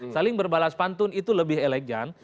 saling berbalas pantun itu lebih elegan